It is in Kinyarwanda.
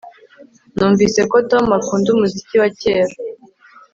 Numvise ko Tom akunda umuziki wa kera